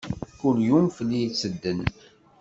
Kul yum fell-i yettedden.